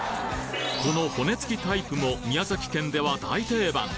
この骨付きタイプも宮崎県では大定番！